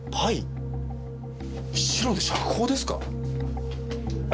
シロで釈放ですか？